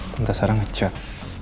tante sarah ngechat